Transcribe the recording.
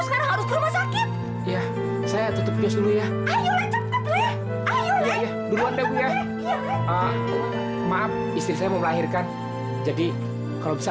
sekarang harus rumah sakit ya saya tutup ya ayo ayo ayo ya maaf istri saya melahirkan jadi kalau